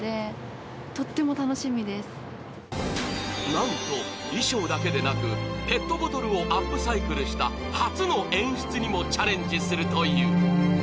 なんと、衣装だけでなく、ペットボトルをアップサイクルした初の演出にもチャレンジするという。